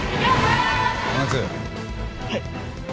はい。